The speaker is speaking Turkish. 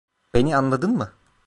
Beni anladın mı?